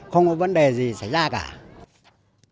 không có vấn đề gì sẽ rất là tốt